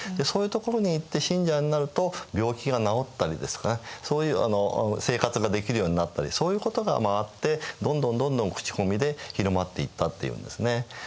そういう所に行って信者になると病気が治ったりですとかそういう生活ができるようになったりそういうことがあってどんどんどんどんクチコミで広まっていったっていうんですね。